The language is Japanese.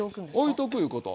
おいとくいうこと。